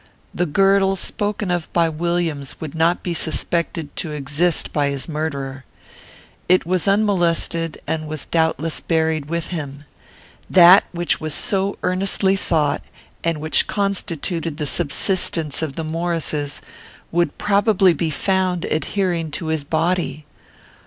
The girdle spoken of by Williams would not be suspected to exist by his murderer. It was unmolested, and was doubtless buried with him. That which was so earnestly sought, and which constituted the subsistence of the Maurices, would probably be found adhering to his body.